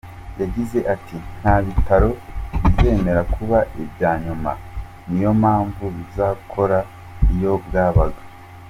Yagize ati ”Nta bitaro bizemera kuba ibyanyuma, niyo mpamvu bizakora iyo bwabaga”.